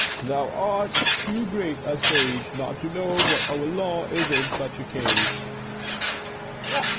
Thou art too great a sage not to know what our law is in such a case."